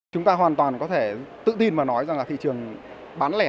chúng ta hoàn toàn có thể tự tin mà nói rằng là thị trường bán lẻ